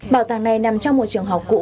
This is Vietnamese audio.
bảo tàng này nằm trong một trường học cũ